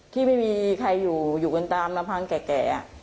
ที่ไม่มีใครอยู่อยู่กันตามลำพังแก่